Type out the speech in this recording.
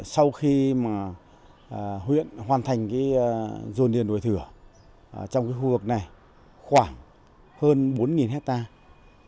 sau khi mà huyện hoàn thành dồn điền đổi thửa trong cái khu vực này khoảng hơn bốn hectare